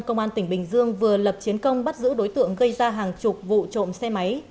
công an tỉnh bình dương vừa lập chiến công bắt giữ đối tượng gây ra hàng chục vụ trộm xe máy